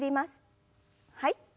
はい。